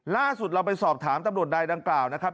ล่าสุดเราไปสอบถามตำรวจใดดังกล่าวนะครับ